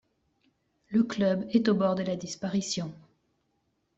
Le club est au bord de la disparition.